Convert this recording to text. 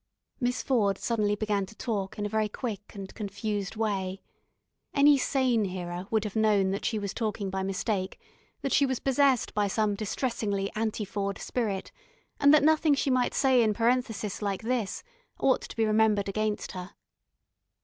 Miss Ford suddenly began to talk in a very quick and confused way. Any sane hearer would have known that she was talking by mistake, that she was possessed by some distressingly Anti Ford spirit, and that nothing she might say in parenthesis like this ought to be remembered against her.